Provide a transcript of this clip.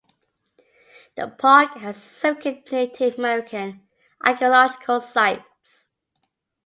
The park has significant Native American archaeological sites.